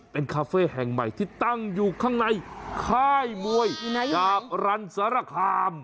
เป็นคาเฟ่แห่งใหม่ที่ตั้งอยู่ข้างในค่ายมวยดาบรันสารคาม